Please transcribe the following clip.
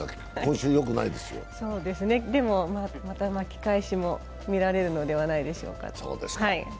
また巻き返しも見られるのではないでしょうか。